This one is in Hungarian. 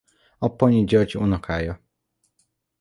Apponyi György unokája.